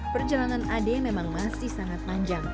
perjalanan ade memang masih sangat panjang